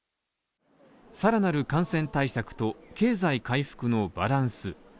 さらなる感染対策と経済回復のバランス。